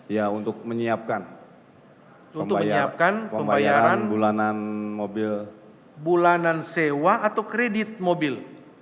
ya untuk menyiapkan pembayaran bulanan mobil bulanan sewa atau kredit mobil